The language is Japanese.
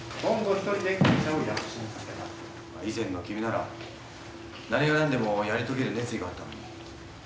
以前の君なら何が何でもやり遂げる熱意があったのに。